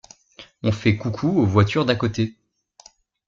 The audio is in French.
On fait coucou aux voitures d'à côté.